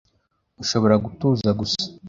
Ushobora gutuza gusa?